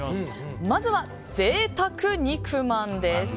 まずは、贅沢肉まんです。